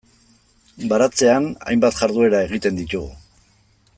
Baratzean hainbat jarduera egiten ditugu.